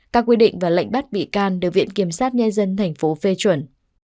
các quy định và lệnh bắt bị can được viện kiểm sát nhà dân thành phố phê chuẩn